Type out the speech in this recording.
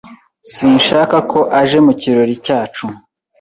Sinshaka ko aje mu kirori cyacu